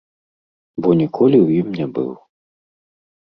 Бо ніколі ў ім не быў.